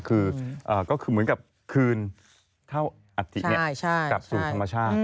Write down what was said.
ก็คือเหมือนกับคืนเท่าอัฐิกลับสู่ธรรมชาติ